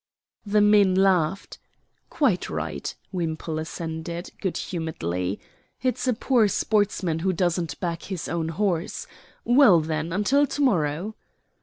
The men laughed. "Quite right," Wimpole assented, good humoredly; "it's a poor sportsman who doesn't back his own horse. Well, then, until to morrow."